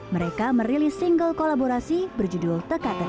mereka merilis single kolaborasi berjudul teka tembak